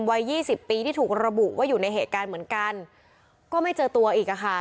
วัยยี่สิบปีที่ถูกระบุว่าอยู่ในเหตุการณ์เหมือนกันก็ไม่เจอตัวอีกอ่ะค่ะ